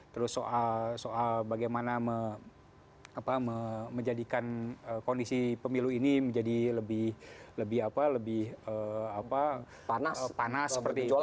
terus soal bagaimana menjadikan kondisi pemilu ini menjadi lebih panas seperti itu